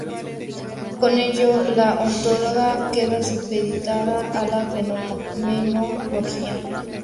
Con ello la ontología queda supeditada a la fenomenología.